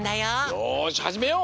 よしはじめよう！